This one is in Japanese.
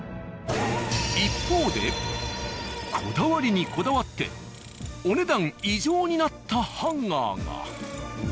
一方でこだわりにこだわってお、ねだん異常。になったハンガーが。